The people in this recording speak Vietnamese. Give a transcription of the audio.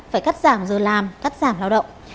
phải cắt giảm giờ làm cắt giảm lao động